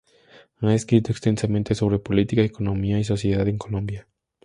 Ha escrito extensamente sobre política, economía y sociedad en Colombia.